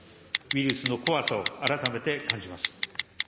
ウイルスの怖さを改めて感じます。